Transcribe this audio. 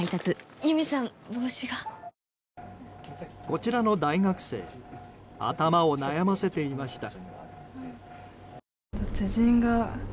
こちらの大学生頭を悩ませていました。